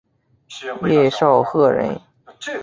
叶绍颙人。